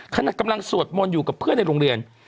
ขณะกำลังสวดมนต์อยู่กับเพื่อนในโรงเรียน